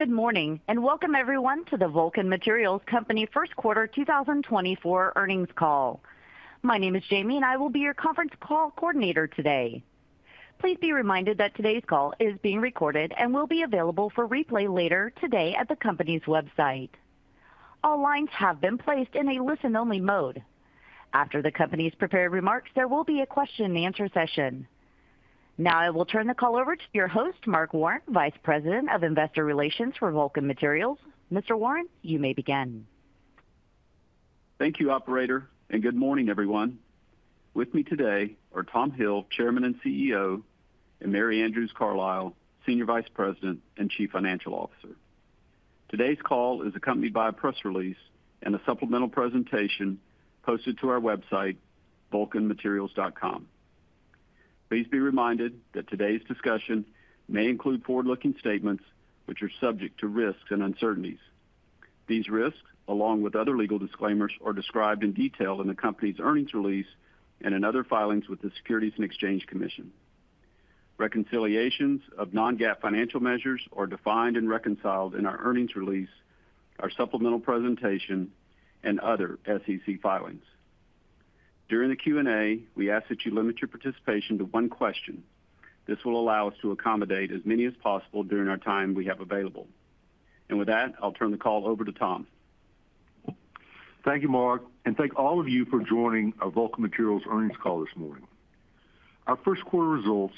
Good morning, and welcome everyone to the Vulcan Materials Company first quarter 2024 earnings call. My name is Jamie, and I will be your conference call coordinator today. Please be reminded that today's call is being recorded and will be available for replay later today at the company's website. All lines have been placed in a listen-only mode. After the company's prepared remarks, there will be a question-and-answer session. Now, I will turn the call over to your host, Mark Warren, Vice President of Investor Relations for Vulcan Materials. Mr. Warren, you may begin. Thank you, operator, and good morning, everyone. With me today are Tom Hill, Chairman and CEO, and Mary Andrews Carlisle, Senior Vice President and Chief Financial Officer. Today's call is accompanied by a press release and a supplemental presentation posted to our website, vulcanmaterials.com. Please be reminded that today's discussion may include forward-looking statements which are subject to risks and uncertainties. These risks, along with other legal disclaimers, are described in detail in the company's earnings release and in other filings with the Securities and Exchange Commission. Reconciliations of non-GAAP financial measures are defined and reconciled in our earnings release, our supplemental presentation, and other SEC filings. During the Q&A, we ask that you limit your participation to one question. This will allow us to accommodate as many as possible during our time we have available. With that, I'll turn the call over to Tom. Thank you, Mark, and thank all of you for joining our Vulcan Materials earnings call this morning. Our first quarter results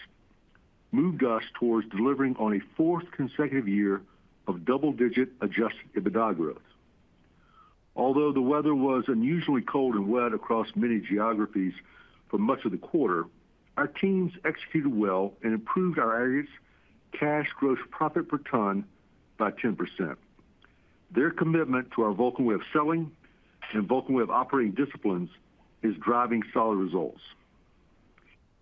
moved us towards delivering on a fourth consecutive year of double-digit Adjusted EBITDA growth. Although the weather was unusually cold and wet across many geographies for much of the quarter, our teams executed well and improved our aggregate cash gross profit per ton by 10%. Their commitment to our Vulcan Way of Selling and Vulcan Way of Operating disciplines is driving solid results.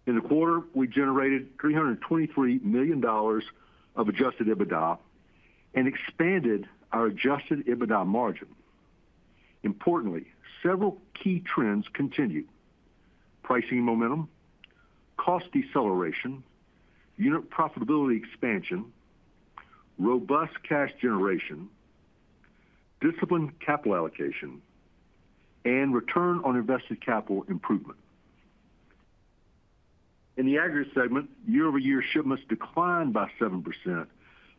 In the quarter, we generated $323 million of Adjusted EBITDA and expanded our Adjusted EBITDA margin. Importantly, several key trends continued: pricing momentum, cost deceleration, unit profitability expansion, robust cash generation, disciplined capital allocation, and return on invested capital improvement. In the Aggregates segment, year-over-year shipments declined by 7%,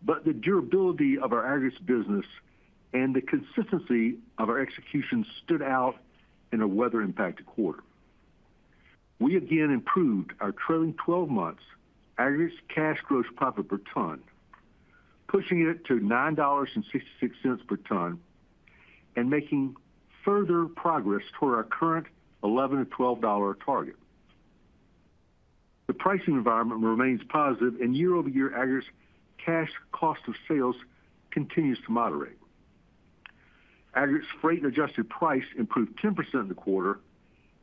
but the durability of our aggregates business and the consistency of our execution stood out in a weather-impacted quarter. We again improved our trailing twelve months aggregates cash gross profit per ton, pushing it to $9.66 per ton and making further progress toward our current $11-$12 target. The pricing environment remains positive, and year-over-year aggregates cash cost of sales continues to moderate. Aggregates freight-adjusted price improved 10% in the quarter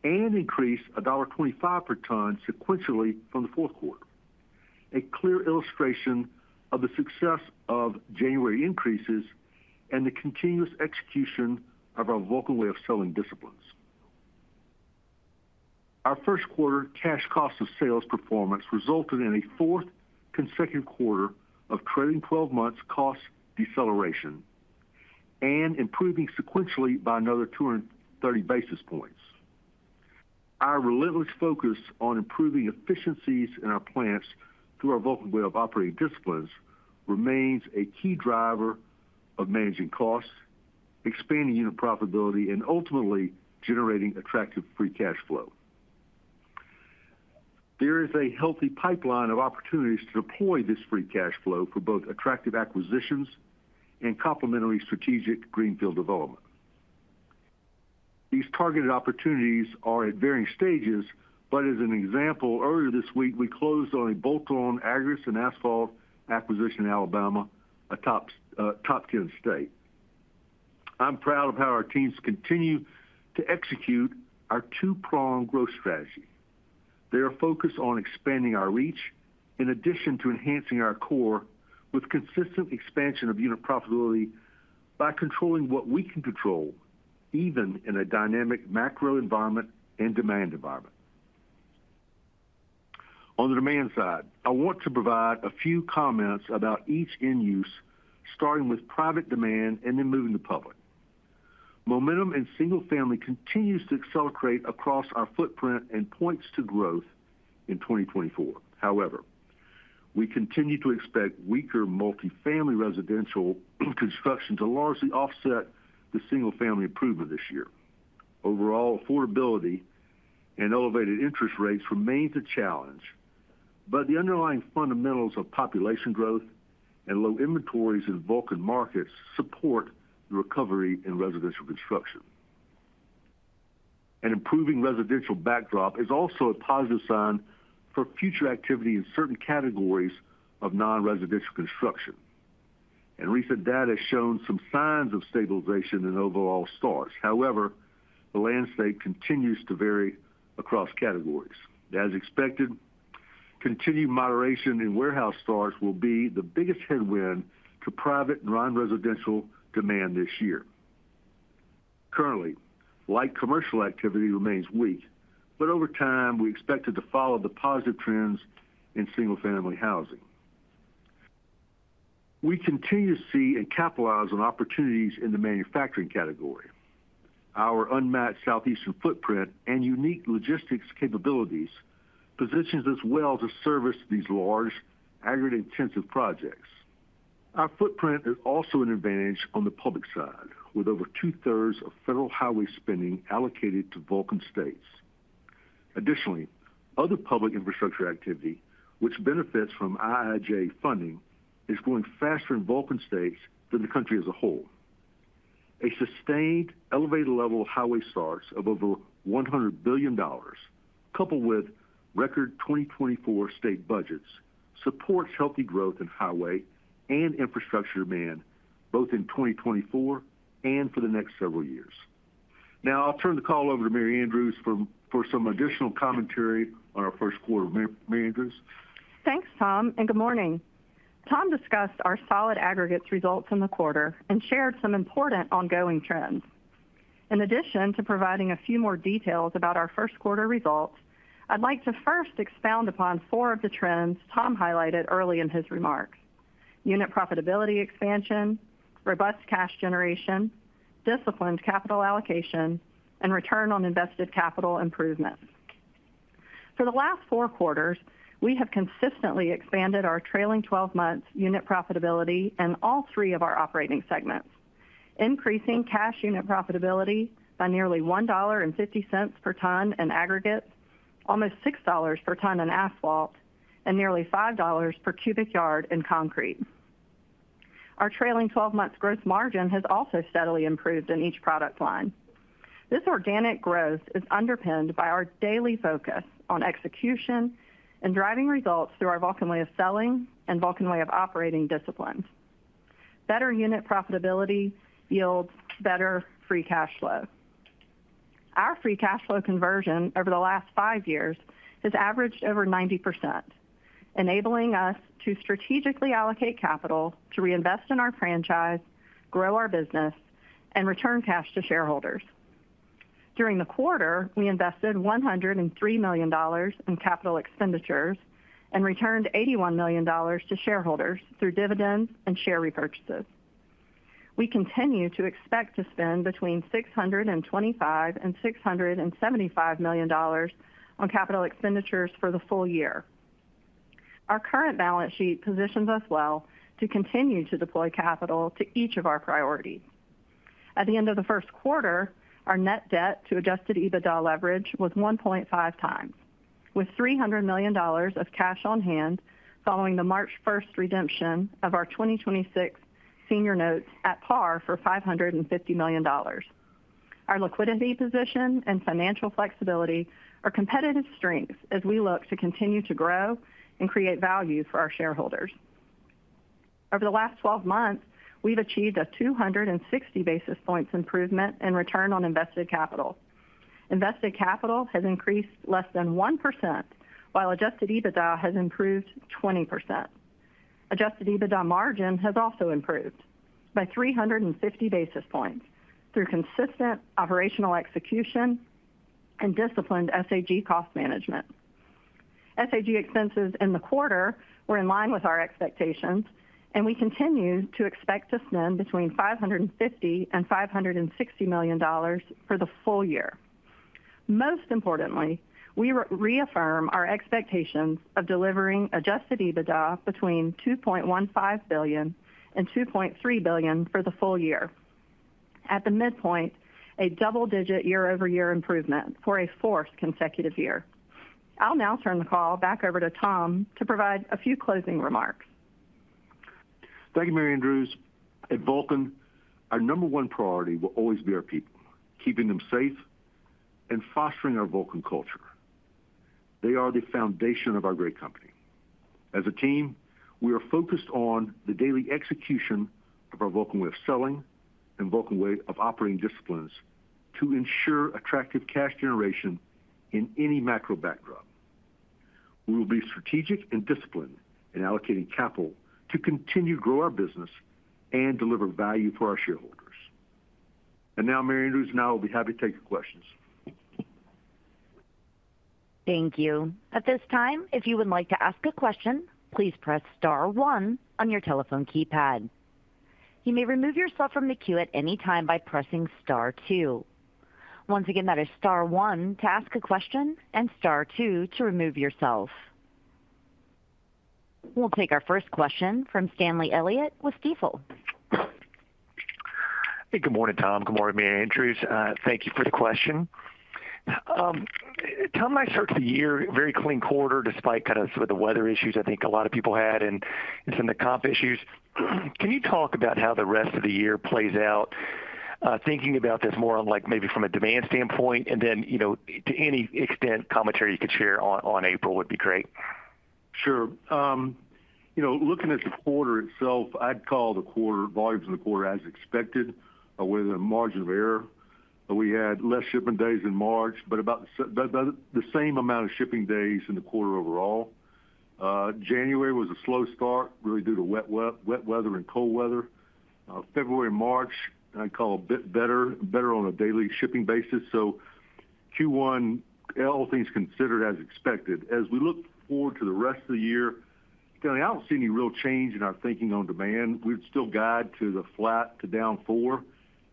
and increased $1.25 per ton sequentially from the fourth quarter. A clear illustration of the success of January increases and the continuous execution of our Vulcan Way of Selling disciplines. Our first quarter cash cost of sales performance resulted in a fourth consecutive quarter of trailing twelve months cost deceleration and improving sequentially by another 230 basis points. Our relentless focus on improving efficiencies in our plants through our Vulcan Way of Operating disciplines remains a key driver of managing costs, expanding unit profitability, and ultimately generating attractive free cash flow. There is a healthy pipeline of opportunities to deploy this free cash flow for both attractive acquisitions and complementary strategic greenfield development. These targeted opportunities are at varying stages, but as an example, earlier this week, we closed on a bolt-on aggregates and asphalt acquisition in Alabama, a top, top 10 state. I'm proud of how our teams continue to execute our two-pronged growth strategy. They are focused on expanding our reach in addition to enhancing our core with consistent expansion of unit profitability by controlling what we can control, even in a dynamic macro environment and demand environment. On the demand side, I want to provide a few comments about each end use, starting with private demand and then moving to public. Momentum in single family continues to accelerate across our footprint and points to growth in 2024. However, we continue to expect weaker multifamily residential construction to largely offset the single-family improvement this year. Overall, affordability and elevated interest rates remain a challenge, but the underlying fundamentals of population growth and low inventories in Vulcan markets support the recovery in residential construction. An improving residential backdrop is also a positive sign for future activity in certain categories of non-residential construction, and recent data has shown some signs of stabilization in overall starts. However, the landscape continues to vary across categories. As expected, continued moderation in warehouse starts will be the biggest headwind to private and non-residential demand this year. Currently, light commercial activity remains weak, but over time, we expect it to follow the positive trends in single-family housing. We continue to see and capitalize on opportunities in the manufacturing category. Our unmatched Southeastern footprint and unique logistics capabilities positions us well to service these large, aggregate-intensive projects. Our footprint is also an advantage on the public side, with over two-thirds of federal highway spending allocated to Vulcan states. Additionally, other public infrastructure activity, which benefits from IIJA funding, is growing faster in Vulcan states than the country as a whole. A sustained, elevated level of highway starts of over $100 billion, coupled with record 2024 state budgets, supports healthy growth in highway and infrastructure demand, both in 2024 and for the next several years. Now, I'll turn the call over to Mary Andrews for some additional commentary on our first quarter. Mary Andrews? Thanks, Tom, and good morning. Tom discussed our solid aggregates results in the quarter and shared some important ongoing trends. In addition to providing a few more details about our first quarter results, I'd like to first expound upon 4 of the trends Tom highlighted early in his remarks: unit profitability expansion, robust cash generation, disciplined capital allocation, and return on invested capital improvements. For the last 4 quarters, we have consistently expanded our trailing twelve months unit profitability in all 3 of our operating segments, increasing cash unit profitability by nearly $1.50 per ton in aggregate, almost $6 per ton in asphalt, and nearly $5 per cubic yard in concrete. Our trailing twelve months gross margin has also steadily improved in each product line. This organic growth is underpinned by our daily focus on execution and driving results through our Vulcan Way of Selling and Vulcan Way of Operating disciplines. Better unit profitability yields better free cash flow. Our free cash flow conversion over the last five years has averaged over 90%, enabling us to strategically allocate capital to reinvest in our franchise, grow our business, and return cash to shareholders. During the quarter, we invested $103 million in capital expenditures and returned $81 million to shareholders through dividends and share repurchases. We continue to expect to spend between $625 million and $675 million on capital expenditures for the full year. Our current balance sheet positions us well to continue to deploy capital to each of our priorities. At the end of the first quarter, our net debt to adjusted EBITDA leverage was 1.5 times, with $300 million of cash on hand following the March 1 redemption of our 2026 senior notes at par for $550 million. Our liquidity position and financial flexibility are competitive strengths as we look to continue to grow and create value for our shareholders. Over the last 12 months, we've achieved a 260 basis points improvement in return on invested capital. Invested capital has increased less than 1%, while adjusted EBITDA has improved 20%. Adjusted EBITDA margin has also improved by 350 basis points through consistent operational execution and disciplined SAG cost management. SAG expenses in the quarter were in line with our expectations, and we continue to expect to spend between $550 million and $560 million for the full year. Most importantly, we reaffirm our expectations of delivering Adjusted EBITDA between $2.15 billion and $2.3 billion for the full year. At the midpoint, a double-digit year-over-year improvement for a fourth consecutive year. I'll now turn the call back over to Tom to provide a few closing remarks. Thank you, Mary Andrews. At Vulcan, our number one priority will always be our people, keeping them safe and fostering our Vulcan culture. They are the foundation of our great company. As a team, we are focused on the daily execution of our Vulcan Way of Selling and Vulcan Way of Operating disciplines to ensure attractive cash generation in any macro backdrop. We will be strategic and disciplined in allocating capital to continue to grow our business and deliver value for our shareholders. And now, Mary Andrews and I will be happy to take your questions. Thank you. At this time, if you would like to ask a question, please press star one on your telephone keypad. You may remove yourself from the queue at any time by pressing star two. Once again, that is star one to ask a question and star two to remove yourself. We'll take our first question from Stanley Elliott with Stifel. Hey, good morning, Tom. Good morning, Mary Andrews. Thank you for the question. Tom, nice start to the year, very clean quarter, despite kind of some of the weather issues I think a lot of people had and some of the comp issues. Can you talk about how the rest of the year plays out? Thinking about this more on, like, maybe from a demand standpoint, and then, you know, to any extent, commentary you could share on, on April would be great. Sure. You know, looking at the quarter itself, I'd call the quarter, volumes in the quarter as expected, with a margin of error. We had less shipping days in March, but about the same amount of shipping days in the quarter overall. January was a slow start, really due to wet weather and cold weather. February and March, I'd call a bit better on a daily shipping basis. So Q1, all things considered, as expected. As we look forward to the rest of the year, Stanley, I don't see any real change in our thinking on demand. We'd still guide to the flat to down 4,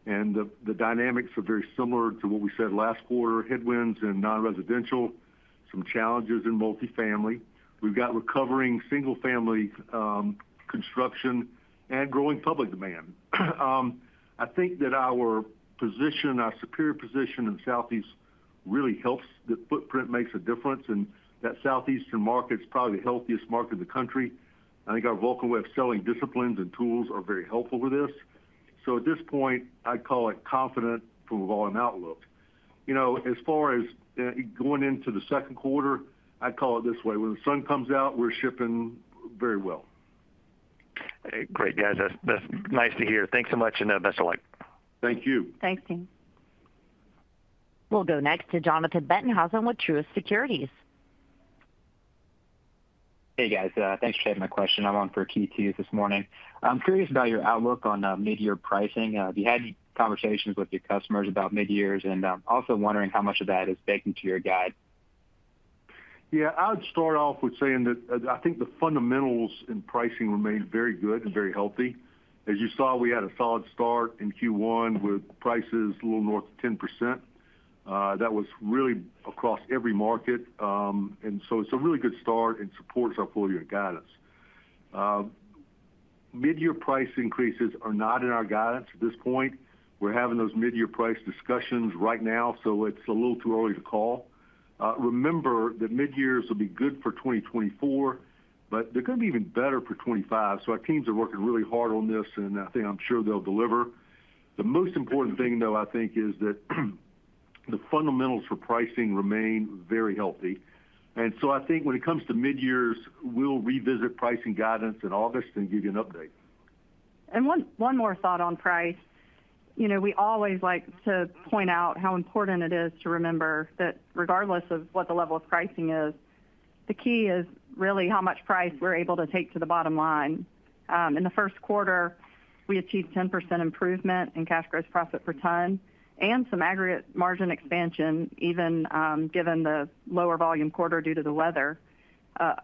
and the dynamics are very similar to what we said last quarter, headwinds and non-residential, some challenges in multifamily. We've got recovering single-family construction and growing public demand. I think that our position, our superior position in the Southeast really helps. The footprint makes a difference, and that Southeastern market is probably the healthiest market in the country. I think our Vulcan Way of Selling disciplines and tools are very helpful with this. So at this point, I'd call it confident from a volume outlook. You know, as far as, going into the second quarter, I'd call it this way: when the sun comes out, we're shipping very well. Great, guys. That's nice to hear. Thanks so much, and best of luck. Thank you. Thanks, team. We'll go next to Jordan Bettenhausen with Truist Securities. Hey, guys. Thanks for taking my question. I'm on for Keith Hughes this morning. I'm curious about your outlook on mid-year pricing. Have you had any conversations with your customers about mid-years? And I'm also wondering how much of that is baking to your guide. Yeah, I would start off with saying that, I think the fundamentals in pricing remain very good and very healthy. As you saw, we had a solid start in Q1, with prices a little north of 10%. That was really across every market. And so it's a really good start and supports our full-year guidance. Mid-year price increases are not in our guidance at this point. We're having those mid-year price discussions right now, so it's a little too early to call. Remember that mid-years will be good for 2024, but they're gonna be even better for 2025. So our teams are working really hard on this, and I think I'm sure they'll deliver. The most important thing, though, I think, is that the fundamentals for pricing remain very healthy. I think when it comes to midyears, we'll revisit pricing guidance in August and give you an update. One more thought on price. You know, we always like to point out how important it is to remember that regardless of what the level of pricing is, the key is really how much price we're able to take to the bottom line. In the first quarter, we achieved 10% improvement in cash gross profit per ton and some aggregate margin expansion, even given the lower volume quarter due to the weather.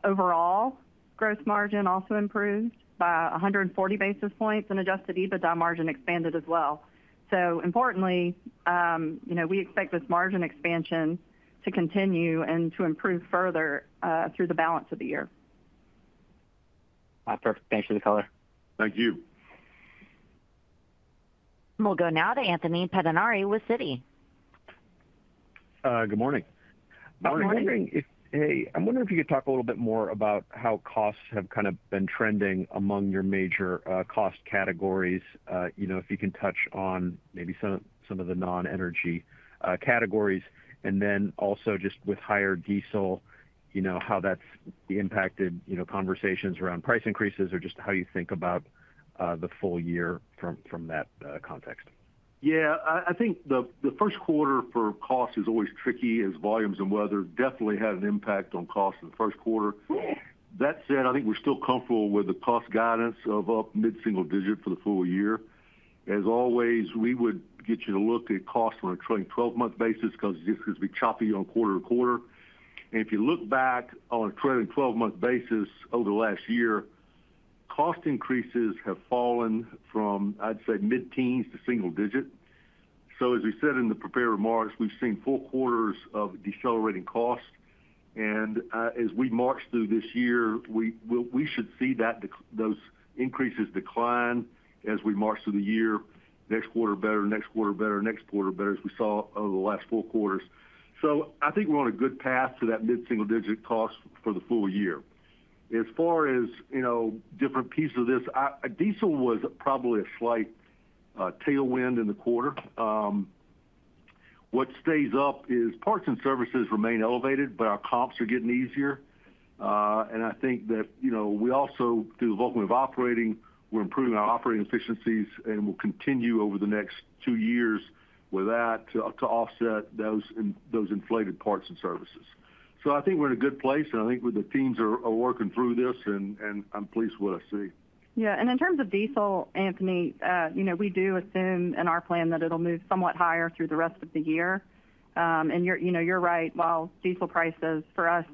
Overall, gross margin also improved by 140 basis points, and adjusted EBITDA margin expanded as well. So importantly, you know, we expect this margin expansion to continue and to improve further through the balance of the year. Perfect. Thanks for the color. Thank you. We'll go now to Anthony Pettinari with Citi. Good morning. Good morning. I'm wondering if you could talk a little bit more about how costs have kind of been trending among your major cost categories. You know, if you can touch on maybe some of the non-energy categories, and then also just with higher diesel, you know, how that's impacted conversations around price increases or just how you think about the full year from that context. Yeah, I think the first quarter for cost is always tricky, as volumes and weather definitely had an impact on cost in the first quarter. That said, I think we're still comfortable with the cost guidance of up mid-single digit for the full year. As always, we would get you to look at cost on a trailing twelve-month basis because it could be choppy on a quarter to quarter. And if you look back on a trailing twelve-month basis over the last year, cost increases have fallen from, I'd say, mid-teens to single digit. So as we said in the prepared remarks, we've seen four quarters of decelerating costs, and as we march through this year, we should see that those increases decline as we march through the year. Next quarter better, next quarter better, next quarter better, as we saw over the last four quarters. So I think we're on a good path to that mid-single-digit cost for the full year. As far as, you know, different pieces of this, diesel was probably a slight tailwind in the quarter. What stays up is parts and services remain elevated, but our comps are getting easier. And I think that, you know, we also, through the Vulcan Way of Operating, we're improving our operating efficiencies, and we'll continue over the next two years with that to offset those inflated parts and services. So I think we're in a good place, and I think the teams are working through this, and I'm pleased with what I see. Yeah, and in terms of diesel, Anthony, you know, we do assume in our plan that it'll move somewhat higher through the rest of the year. And you're, you know, you're right. While diesel prices for us,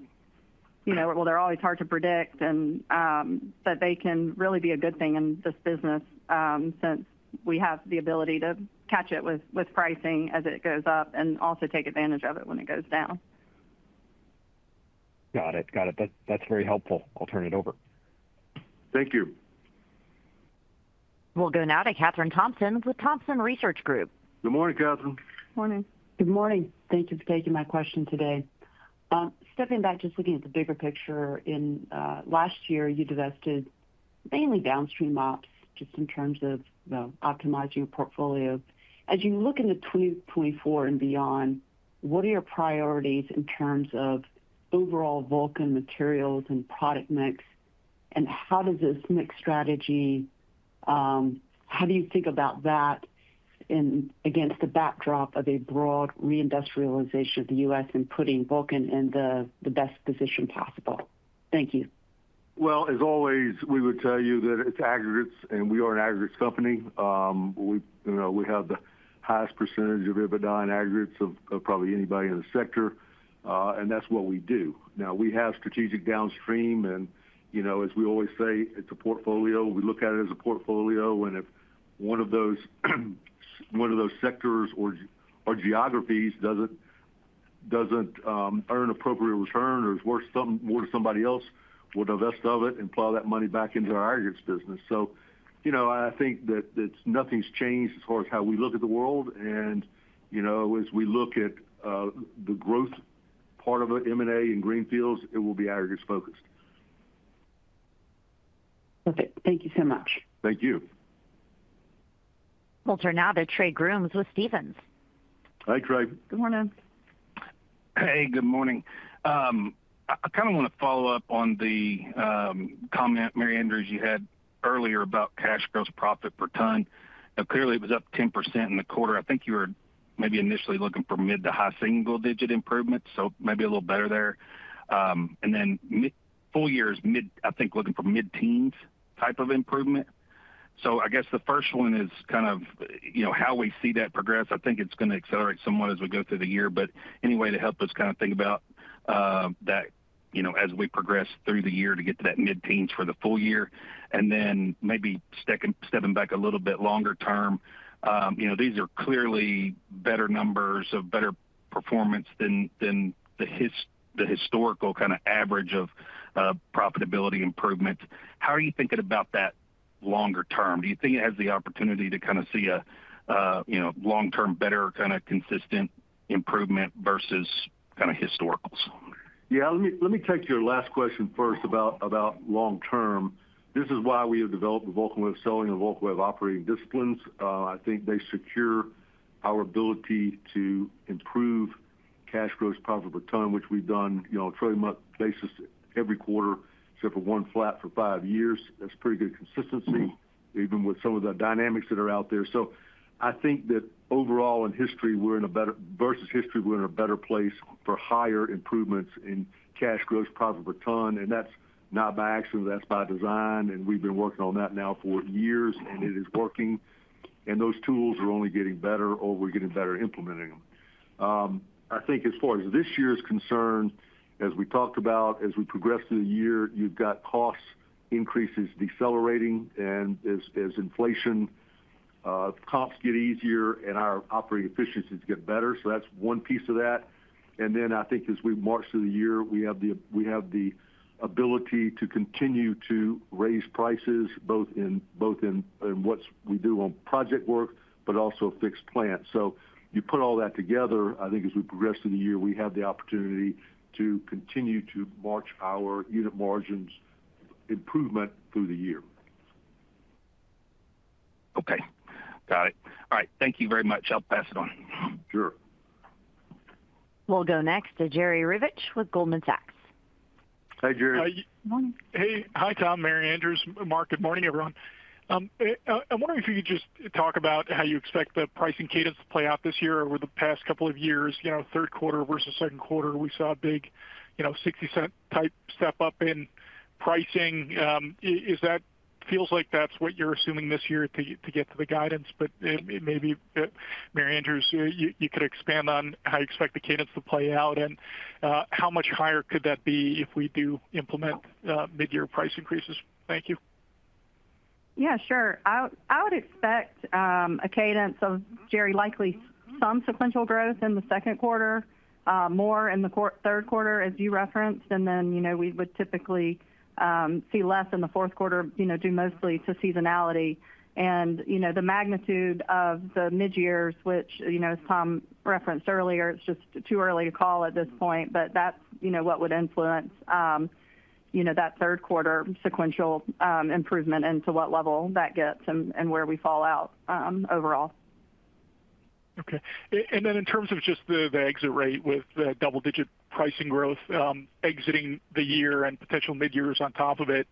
you know, well, they're always hard to predict and, but they can really be a good thing in this business, since we have the ability to catch it with, with pricing as it goes up, and also take advantage of it when it goes down. Got it. Got it. That, that's very helpful. I'll turn it over. Thank you. We'll go now to Kathryn Thompson with Thompson Research Group. Good morning, Kathryn. Morning. Good morning. Thank you for taking my question today. Stepping back, just looking at the bigger picture, in last year, you divested mainly downstream ops, just in terms of, you know, optimizing your portfolio. As you look into 2024 and beyond, what are your priorities in terms of overall Vulcan Materials and product mix?... How does this mix strategy, how do you think about that in against the backdrop of a broad reindustrialization of the U.S. and putting Vulcan in the, the best position possible? Thank you. Well, as always, we would tell you that it's aggregates, and we are an aggregates company. We, you know, we have the highest percentage of EBITDA in aggregates of probably anybody in the sector, and that's what we do. Now, we have strategic downstream and, you know, as we always say, it's a portfolio. We look at it as a portfolio, and if one of those sectors or geographies doesn't earn appropriate return or is worth some more to somebody else, we'll divest of it and plow that money back into our aggregates business. So, you know, I think that nothing's changed as far as how we look at the world. And, you know, as we look at the growth part of it, M&A and greenfields, it will be aggregates focused. Okay. Thank you so much. Thank you. We'll turn now to Trey Grooms with Stephens. Hi, Trey. Good morning. Hey, good morning. I kind of want to follow up on the comment, Mary Andrews, you had earlier about cash gross profit per ton. Now, clearly, it was up 10% in the quarter. I think you were maybe initially looking for mid- to high single-digit improvements, so maybe a little better there. And then full year's mid, I think, looking for mid-teens type of improvement. So I guess the first one is kind of, you know, how we see that progress. I think it's going to accelerate somewhat as we go through the year, but any way to help us kind of think about that, you know, as we progress through the year to get to that mid-teens for the full year. Then maybe second, stepping back a little bit longer term, you know, these are clearly better numbers of better performance than the historical kind of average of profitability improvement. How are you thinking about that longer term? Do you think it has the opportunity to kind of see a, you know, long-term, better kind of consistent improvement versus kind of historicals? Yeah, let me take your last question first about long term. This is why we have developed the Vulcan Way of Selling and the Vulcan Way of Operating disciplines. I think they secure our ability to improve cash gross profit per ton, which we've done, you know, on a trailing twelve-month basis every quarter, except for one flat for five years. That's pretty good consistency, even with some of the dynamics that are out there. So I think that overall in history, we're in a better, versus history, we're in a better place for higher improvements in cash gross profit per ton, and that's not by accident, that's by design, and we've been working on that now for years, and it is working, and those tools are only getting better, or we're getting better at implementing them. I think as far as this year is concerned, as we talked about, as we progress through the year, you've got cost increases decelerating, and as, as inflation, comps get easier and our operating efficiencies get better. So that's one piece of that. And then I think as we march through the year, we have the ability to continue to raise prices, both in, both in, in what's we do on project work, but also fixed plant. You put all that together, I think, as we progress through the year, we have the opportunity to continue to march our unit margins improvement through the year. Okay, got it. All right. Thank you very much. I'll pass it on. Sure. We'll go next to Jerry Revich with Goldman Sachs. Hi, Jerry. Morning. Hey. Hi, Tom, Mary Andrews, Mark. Good morning, everyone. I'm wondering if you could just talk about how you expect the pricing cadence to play out this year over the past couple of years, you know, third quarter versus second quarter, we saw a big, you know, $0.60 type step up in pricing. Is that—feels like that's what you're assuming this year to get to the guidance, but maybe Mary Andrews, you could expand on how you expect the cadence to play out and how much higher could that be if we do implement mid-year price increases? Thank you. Yeah, sure. I, I would expect a cadence of, Jerry, likely some sequential growth in the second quarter, more in the third quarter, as you referenced, and then, you know, we would typically see less in the fourth quarter, you know, due mostly to seasonality. You know, the magnitude of the mid-years, which, you know, as Tom referenced earlier, it's just too early to call at this point, but that's, you know, what would influence, you know, that third quarter sequential improvement and to what level that gets and, and where we fall out, overall. Okay. And then in terms of just the exit rate with the double-digit pricing growth, exiting the year and potential midyears on top of it,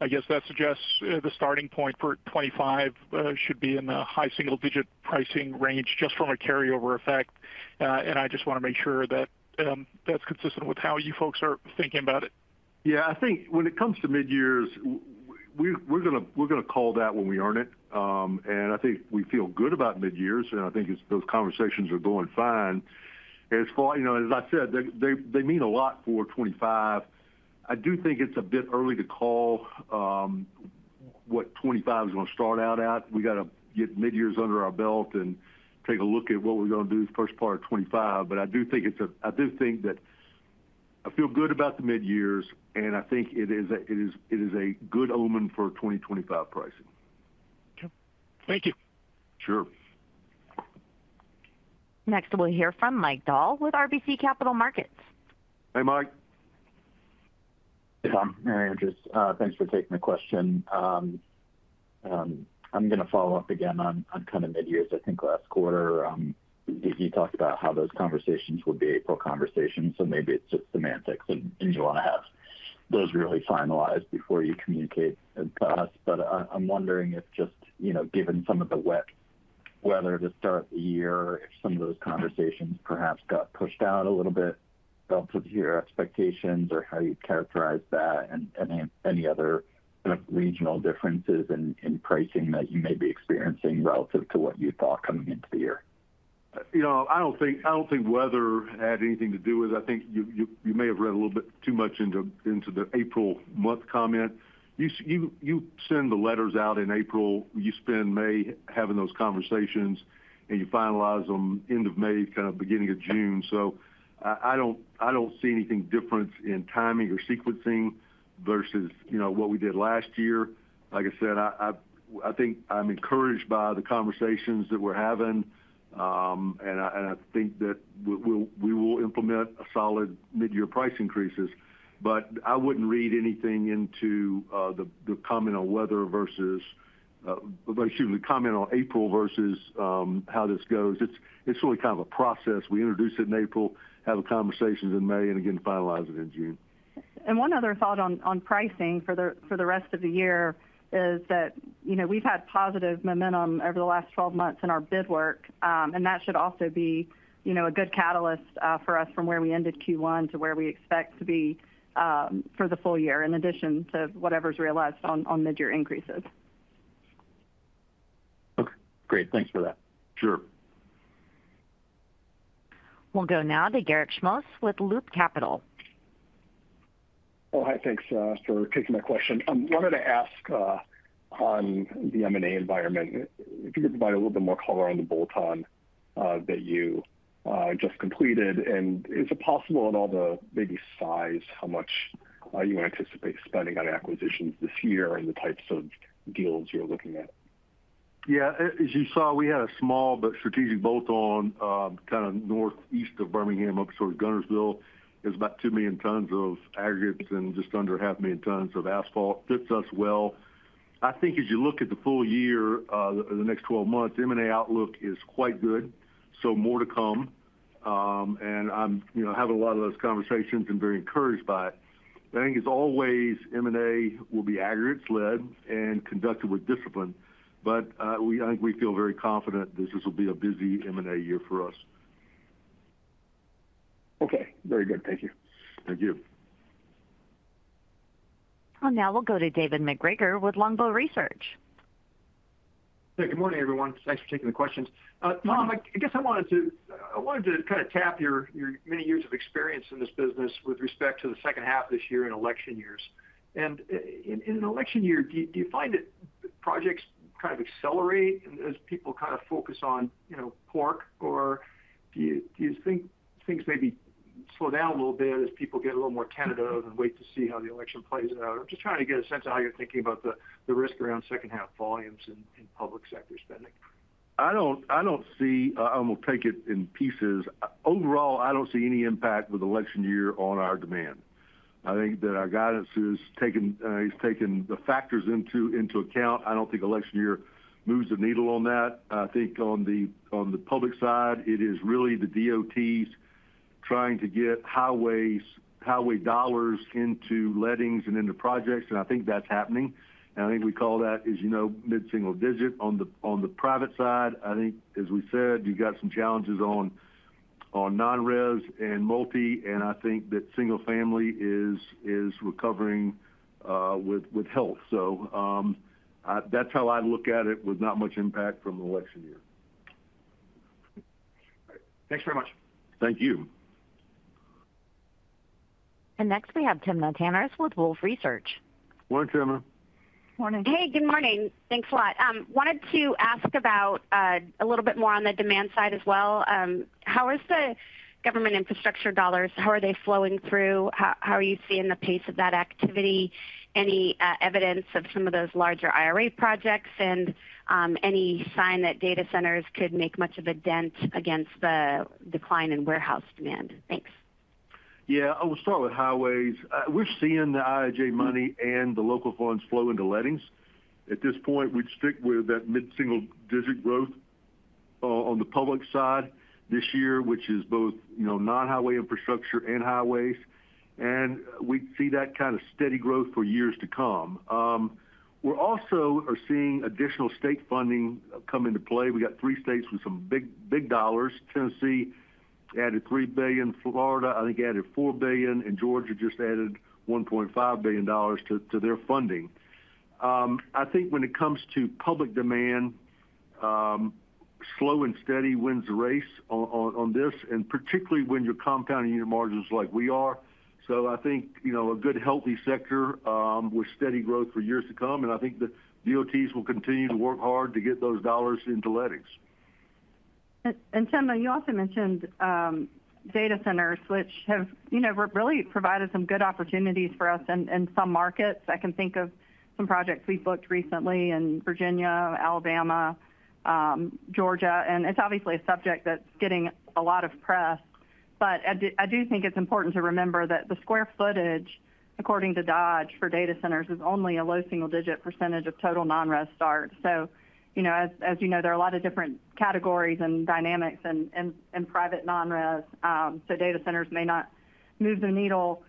I guess that suggests the starting point for 25 should be in the high single digit pricing range, just from a carryover effect. And I just want to make sure that that's consistent with how you folks are thinking about it. Yeah, I think when it comes to midyears, we, we're gonna call that when we earn it. And I think we feel good about midyears, and I think it's those conversations are going fine. As far you know, as I said, they mean a lot for 2025. I do think it's a bit early to call what 2025 is going to start out at. We got to get midyears under our belt and take a look at what we're going to do the first part of 2025. But I do think that I feel good about the midyears, and I think it is a good omen for 2025 pricing. Okay. Thank you. Sure. Next, we'll hear from Mike Dahl with RBC Capital Markets. Hey, Mike. Hey, Tom, Mary Andrews, thanks for taking the question. I'm gonna follow up again on, on kind of midyear. I think last quarter, you, you talked about how those conversations would be April conversations, so maybe it's just semantics and, and you want to have those really finalized before you communicate to us. But I, I'm wondering if just, you know, given some of the wet weather to start the year, if some of those conversations perhaps got pushed out a little bit relative to your expectations, or how you'd characterize that, and, and any other kind of regional differences in, in pricing that you may be experiencing relative to what you thought coming into the year? You know, I don't think weather had anything to do with it. I think you may have read a little bit too much into the April month comment. You send the letters out in April, you spend May having those conversations, and you finalize them end of May, kind of beginning of June. So I don't see anything different in timing or sequencing versus, you know, what we did last year. Like I said, I think I'm encouraged by the conversations that we're having. And I think that we will implement a solid mid-year price increases. But I wouldn't read anything into the comment on weather versus, excuse me, the comment on April versus how this goes. It's really kind of a process. We introduce it in April, have the conversations in May, and again, finalize it in June. One other thought on pricing for the rest of the year is that, you know, we've had positive momentum over the last 12 months in our bid work. And that should also be, you know, a good catalyst for us from where we ended Q1 to where we expect to be for the full year, in addition to whatever's realized on mid-year increases. Okay, great. Thanks for that. Sure. We'll go now to Garik Shmois with Loop Capital. Oh, hi. Thanks for taking my question. Wanted to ask on the M&A environment, if you could provide a little bit more color on the bolt-on that you just completed. And is it possible at all to maybe size how much you anticipate spending on acquisitions this year and the types of deals you're looking at? Yeah. As you saw, we had a small but strategic bolt-on, kind of northeast of Birmingham, up toward Guntersville. It's about 2,000,000 tons of aggregates and just under 500,000 tons of asphalt. Fits us well. I think as you look at the full year, the next 12 months, M&A outlook is quite good, so more to come. And I'm, you know, having a lot of those conversations and very encouraged by it. I think, as always, M&A will be aggregates led and conducted with discipline, but we, I think we feel very confident that this will be a busy M&A year for us. Okay, very good. Thank you. Thank you. Now we'll go to David MacGregor with Longbow Research. Hey, good morning, everyone. Thanks for taking the questions. Tom, I guess I wanted to kind of tap your many years of experience in this business with respect to the second half of this year in election years. In an election year, do you find that projects kind of accelerate as people kind of focus on, you know, pork? Or do you think things maybe slow down a little bit as people get a little more tentative and wait to see how the election plays out? I'm just trying to get a sense of how you're thinking about the risk around second half volumes in public sector spending. I don't see. I'm gonna take it in pieces. Overall, I don't see any impact with election year on our demand. I think that our guidance is taking, it's taking the factors into account. I don't think election year moves the needle on that. I think on the public side, it is really the DOTs trying to get highways, highway dollars into lettings and into projects, and I think that's happening. I think we call that, as you know, mid-single digit. On the private side, I think, as we said, you got some challenges on non-res and multi, and I think that single family is recovering with health. So, that's how I look at it, with not much impact from the election year. All right. Thanks very much. Thank you. Next, we have Timna Tanners with Wolfe Research. Morning, Timna. Morning. Hey, good morning. Thanks a lot. Wanted to ask about a little bit more on the demand side as well. How is the government infrastructure dollars, how are they flowing through? How are you seeing the pace of that activity? Any evidence of some of those larger IRA projects and any sign that data centers could make much of a dent against the decline in warehouse demand? Thanks. Yeah. I will start with highways. We're seeing the IIJA money and the local funds flow into lettings. At this point, we'd stick with that mid-single digit growth on the public side this year, which is both, you know, non-highway infrastructure and highways. We see that kind of steady growth for years to come. We're also are seeing additional state funding come into play. We got three states with some big, big dollars. Tennessee added $3 billion. Florida, I think, added $4 billion, and Georgia just added $1.5 billion dollars to their funding. I think when it comes to public demand, slow and steady wins the race on this, and particularly when you're compounding your margins like we are. I think, you know, a good, healthy sector with steady growth for years to come, and I think the DOTs will continue to work hard to get those dollars into lettings. And Timna, you also mentioned, data centers, which have, you know, really provided some good opportunities for us in some markets. I can think of some projects we've booked recently in Virginia, Alabama, Georgia, and it's obviously a subject that's getting a lot of press. But I do, I do think it's important to remember that the square footage, according to Dodge, for data centers, is only a low single-digit percentage of total non-res start. So, you know, as you know, there are a lot of different categories and dynamics in private non-res. So data centers may not move the needle,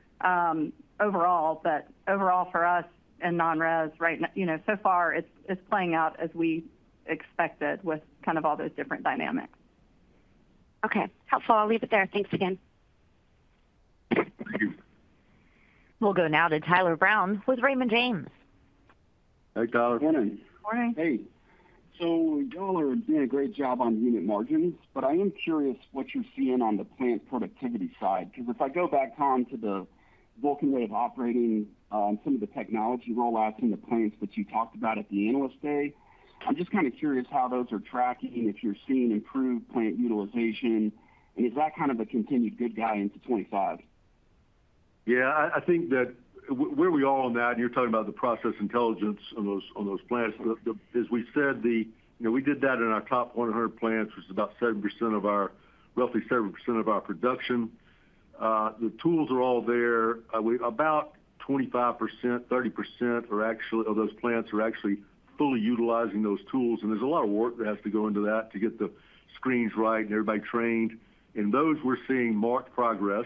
overall, but overall for us and non-res, right now, you know, so far it's playing out as we expected, with kind of all those different dynamics. Okay. Helpful, I'll leave it there. Thanks again. Thank you. We'll go now to Tyler Brown with Raymond James. Hey, Tyler. Good morning. Morning. Hey, so y'all are doing a great job on unit margins, but I am curious what you're seeing on the plant productivity side. Because if I go back on to the Vulcan Way of Operating, some of the technology rollouts in the plants that you talked about at the Analyst Day, I'm just kind of curious how those are tracking, if you're seeing improved plant utilization, and is that kind of a continued good guide into 25? Yeah, I think that where we are on that, and you're talking about the Process Intelligence on those plants. As we said, you know, we did that in our top 100 plants, which is about 70% of our – roughly 70% of our production. The tools are all there. About 25%, 30% of those plants are actually fully utilizing those tools, and there's a lot of work that has to go into that to get the screens right and everybody trained. In those, we're seeing marked progress.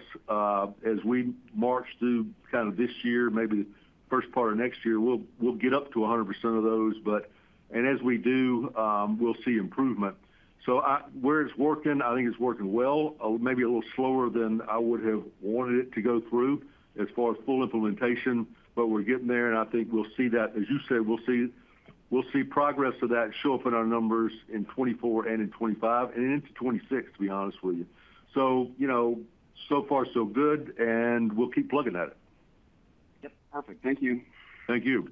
As we march through kind of this year, maybe the first part of next year, we'll get up to 100% of those, but. And as we do, we'll see improvement. So, where it's working, I think it's working well, maybe a little slower than I would have wanted it to go through as far as full implementation, but we're getting there, and I think we'll see that. As you said, we'll see, we'll see progress of that show up in our numbers in 2024 and in 2025, and into 2026, to be honest with you. So, you know, so far so good, and we'll keep plugging at it. Yep. Perfect. Thank you. Thank you.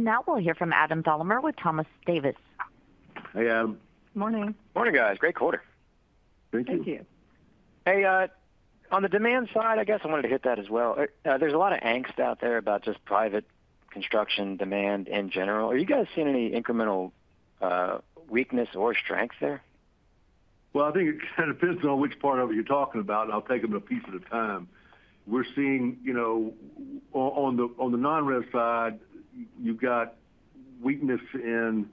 Now we'll hear from Adam Thalhimer with Thompson Davis. Hey, Adam. Morning. Morning, guys. Great quarter! Thank you. Thank you. Hey, on the demand side, I guess I wanted to hit that as well. There's a lot of angst out there about just private construction demand in general. Are you guys seeing any incremental weakness or strength there? Well, I think it kind of depends on which part of it you're talking about. I'll take them a piece at a time. We're seeing, you know, on the non-res side, you've got weakness in,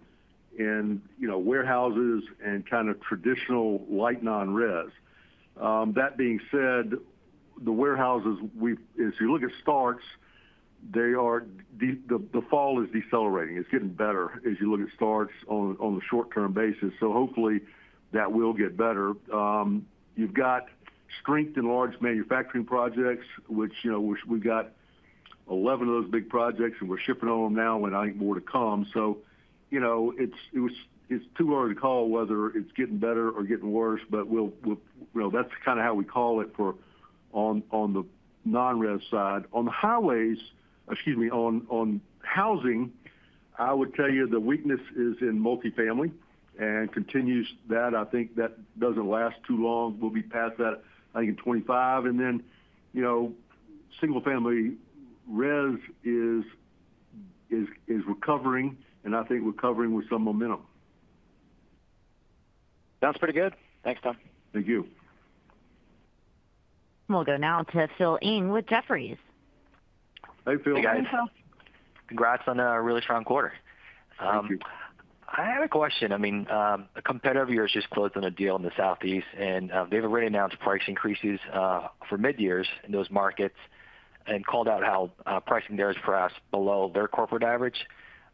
you know, warehouses and kind of traditional light non-res. That being said, the warehouses, if you look at starts, they are decelerating. The fall is decelerating. It's getting better as you look at starts on a short-term basis. So hopefully that will get better. You've got strength in large manufacturing projects, which, you know, which we've got 11 of those big projects, and we're shipping on them now, and I think more to come. So, you know, it's too early to call whether it's getting better or getting worse, but we'll – well, that's kind of how we call it for on the non-res side. On the highways – excuse me, on housing, I would tell you the weakness is in multifamily and continues that. I think that doesn't last too long. We'll be past that, I think, in 2025. And then, you know, single family res is recovering, and I think recovering with some momentum. Sounds pretty good. Thanks, Tom. Thank you. We'll go now to Phil Ng with Jefferies. Hey, Phil. Hey, guys. Hi, Phil. Congrats on a really strong quarter. Thank you. I had a question. I mean, a competitor of yours just closed on a deal in the Southeast, and they've already announced price increases for midyears in those markets and called out how pricing there is perhaps below their corporate average.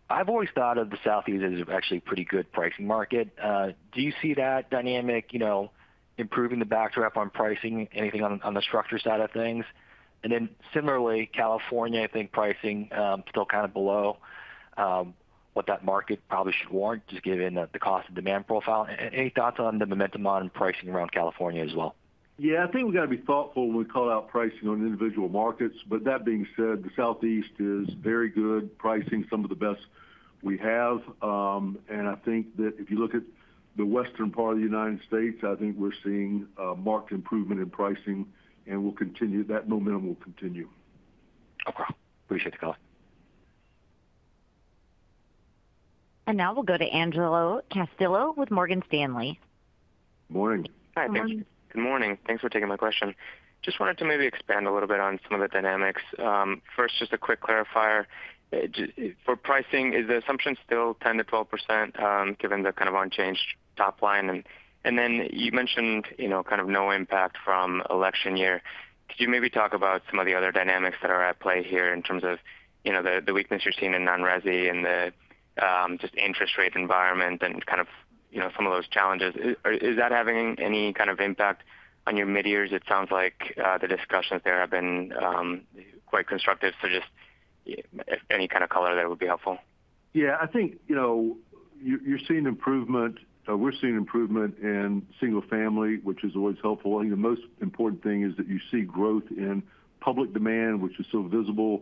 I've always thought of the Southeast as actually a pretty good pricing market. Do you see that dynamic, you know, improving the backdrop on pricing, anything on the structure side of things? And then similarly, California, I think pricing still kind of below what that market probably should warrant, just given the cost and demand profile. Any thoughts on the momentum on pricing around California as well? Yeah, I think we've got to be thoughtful when we call out pricing on individual markets. But that being said, the Southeast is very good pricing, some of the best we have. And I think that if you look at the Western part of the United States, I think we're seeing a marked improvement in pricing, and we'll continue. That momentum will continue. Okay. Appreciate the call. Now we'll go to Angel Castillo with Morgan Stanley. Morning. Hi. Morning. Good morning. Thanks for taking my question. Just wanted to maybe expand a little bit on some of the dynamics. First, just a quick clarifier. For pricing, is the assumption still 10%-12%, given the kind of unchanged top line? And then you mentioned, you know, kind of no impact from election year. Could you maybe talk about some of the other dynamics that are at play here in terms of, you know, the weakness you're seeing in non-resi and the just interest rate environment and kind of, you know, some of those challenges? Is that having any kind of impact on your midyears? It sounds like the discussions there have been quite constructive. So just any kind of color there would be helpful. Yeah, I think, you know, you're seeing improvement. We're seeing improvement in single family, which is always helpful. I think the most important thing is that you see growth in public demand, which is still visible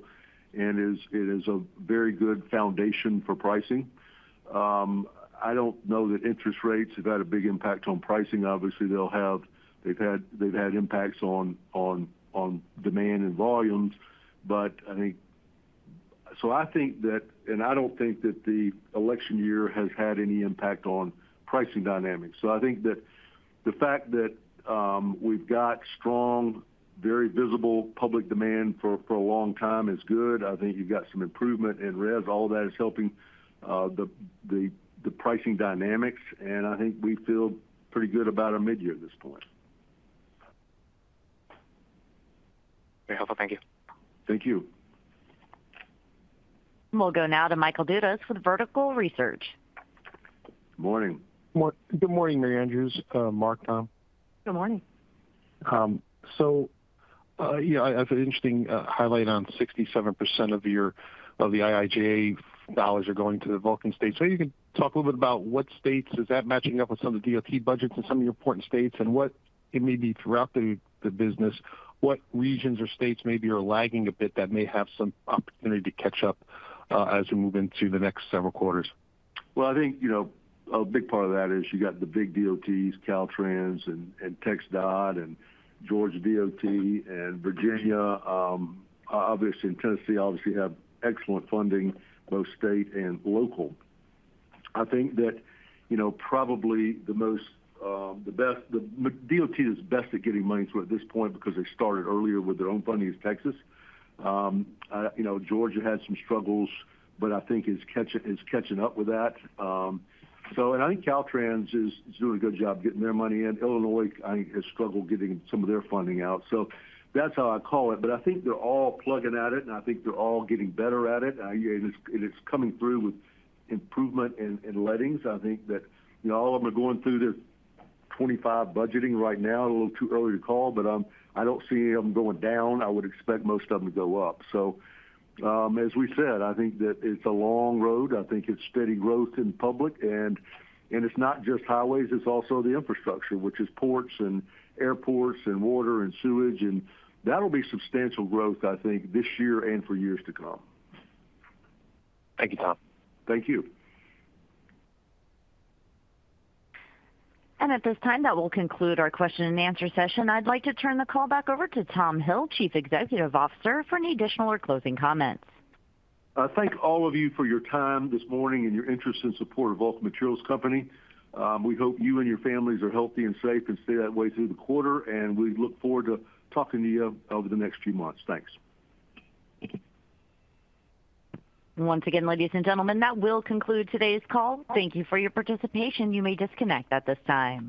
and it is a very good foundation for pricing. I don't know that interest rates have had a big impact on pricing. Obviously, they've had impacts on demand and volumes, but I think, and I don't think that the election year has had any impact on pricing dynamics. So I think that the fact that we've got strong, very visible public demand for a long time is good. I think you've got some improvement in res. All that is helping the pricing dynamics, and I think we feel pretty good about our midyear at this point. Very helpful. Thank you. Thank you. We'll go now to Michael Dudas with Vertical Research. Morning. Good morning, Mary Andrews. Mark, Tom. Good morning. So, yeah, I have an interesting highlight on 67% of the IIJA dollars are going to the Vulcan states. So you can talk a little bit about what states is that matching up with some of the DOT budgets in some of your important states, and what it may be throughout the business? What regions or states maybe are lagging a bit that may have some opportunity to catch up, as we move into the next several quarters? Well, I think, you know, a big part of that is you got the big DOTs, Caltrans and TxDOT and Georgia DOT and Virginia, obviously, and Tennessee obviously have excellent funding, both state and local. I think that, you know, probably the most, the best DOT is best at getting money to at this point because they started earlier with their own funding is Texas. You know, Georgia had some struggles, but I think is catching up with that. So and I think Caltrans is doing a good job getting their money in. Illinois, I think, has struggled getting some of their funding out, so that's how I call it. But I think they're all plugging at it, and I think they're all getting better at it. And it's coming through with improvement in lettings. I think that, you know, all of them are going through this 2025 budgeting right now, a little too early to call, but, I don't see them going down. I would expect most of them to go up. So, as we said, I think that it's a long road. I think it's steady growth in public, and, and it's not just highways, it's also the infrastructure, which is ports and airports and water and sewage, and that'll be substantial growth, I think, this year and for years to come. Thank you, Tom. Thank you. At this time, that will conclude our question and answer session. I'd like to turn the call back over to Tom Hill, Chief Executive Officer, for any additional or closing comments. I thank all of you for your time this morning and your interest and support of Vulcan Materials Company. We hope you and your families are healthy and safe and stay that way through the quarter, and we look forward to talking to you over the next few months. Thanks. Once again, ladies and gentlemen, that will conclude today's call. Thank you for your participation. You may disconnect at this time.